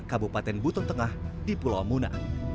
kabupaten buton tengah di pulau muna